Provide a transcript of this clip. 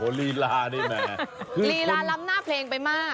โอ้โหลีลานี่แม่คือคนลีลาร้ำหน้าเพลงไปมาก